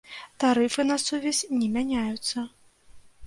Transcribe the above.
Тарыфы на сувязь не мяняюцца.